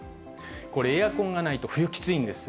これ、エアコンがないと、冬、きついんです。